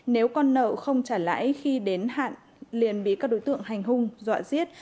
nếu con nợ không trả lãi khi đến hạn liền bị các đối tượng hành hung dọa giết